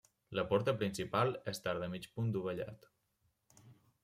La porta principal és d'arc de mig punt dovellat.